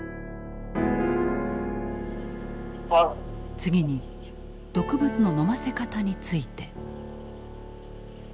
次に毒物の飲ませ方について。